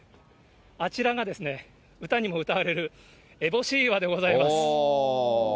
あちらが歌にも歌われる烏帽子岩でございます。